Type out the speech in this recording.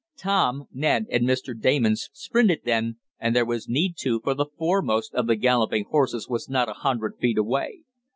Tom, Ned and Mr. Damon sprinted then, and there was need to, for the foremost of the galloping horses was not a hundred feet away.